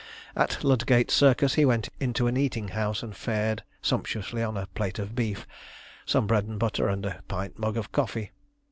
At Ludgate Circus he went into an eating house and fared sumptuously on a plate of beef, some bread and butter, and a pint mug of coffee.